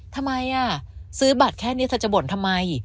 ทำไมซื้อบัตรแค่นี้เธอจะบ่นทำไม